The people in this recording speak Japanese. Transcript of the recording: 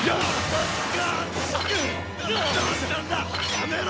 やめろ！